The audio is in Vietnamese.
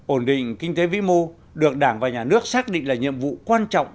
ổn định kinh tế vĩ mô được đảng và nhà nước xác định là nhiệm vụ quan trọng